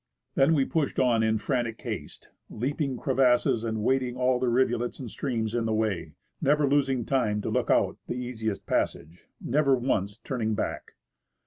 Then we pushed on in frantic haste, leaping crevasses and wading all the rivulets and streams in the way, never losing time to look out the easiest passage, never once turning back.